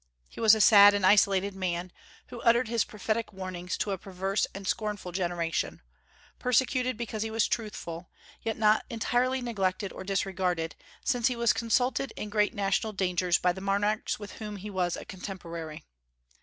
He was a sad and isolated man, who uttered his prophetic warnings to a perverse and scornful generation; persecuted because he was truthful, yet not entirely neglected or disregarded, since he was consulted in great national dangers by the monarchs with whom he was contemporary.